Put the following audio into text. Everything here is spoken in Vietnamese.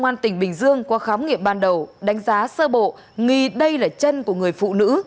công an tỉnh bình dương qua khám nghiệm ban đầu đánh giá sơ bộ nghi đây là chân của người phụ nữ